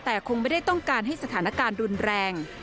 แต่คงไม่ได้ต้องการให้สถานการณ์รุนแรง